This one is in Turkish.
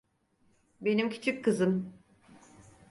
Benim küçük kızım.